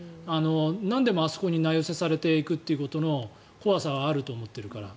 なんでもあそこに名寄せされるところの怖さはあると思っているから。